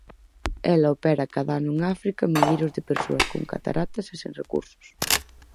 Ela opera cada ano en África milleiros de persoas con cataratas e sen recursos.